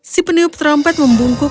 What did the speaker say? si peniup trompet membungkuk